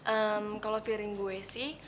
ehm kalau feeling gue sih